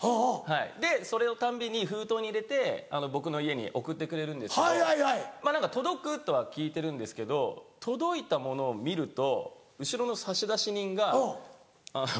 でそれのたんびに封筒に入れて僕の家に送ってくれるんですけど届くとは聞いてるんですけど届いたものを見ると後ろの差出人があの。